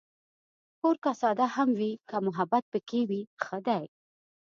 کور که ساده هم وي، که محبت پکې وي، ښه دی.